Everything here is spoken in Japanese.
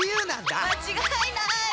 間違いない！